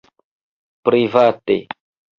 private